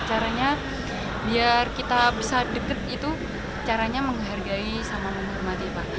caranya biar kita bisa deket itu caranya menghargai sama menghormati pak